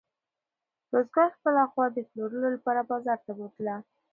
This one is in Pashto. بزګر خپله غوا د پلورلو لپاره بازار ته بوتله.